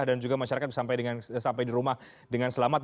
dan juga masyarakat bisa sampai di rumah dengan selamat